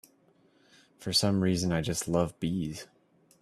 For some reason I just love bees.